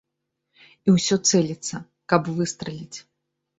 І ўсё цэліцца, каб выстраліць.